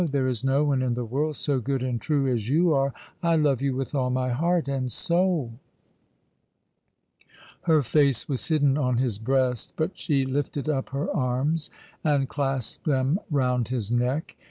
There is no one in the world so good and true as you are. I love you with all my heart and soul." Her face was hidden on his breast, but she lifted up her arms and clasped them round his neck.